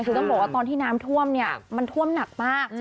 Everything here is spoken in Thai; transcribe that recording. คือต้องบอกว่าตอนที่น้ำท่วมเนี่ยมันท่วมหนักมาก